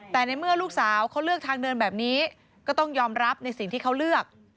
แต่ในเมื่อลูกสาวเขาเลือกทางเดินแบบนี้ก็ต้องยอมรับในสิ่งที่เขาเลือก